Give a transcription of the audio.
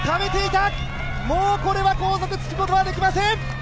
もうこれは後続つくことができません。